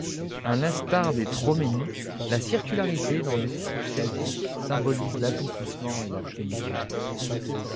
À l'instar des troménies, la circularité dans l'esprit celtique symbolise l'accomplissement et la plénitude.